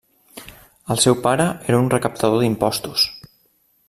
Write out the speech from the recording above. El seu pare era un recaptador d'impostos.